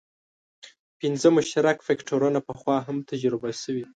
پنځه مشترک فکټورونه پخوا هم تجربه شوي.